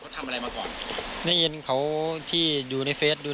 แต่ก่อนเขาทำอะไรมาก่อน